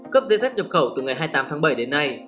cấp giấy phép nhập khẩu từ ngày hai mươi tám tháng bảy đến nay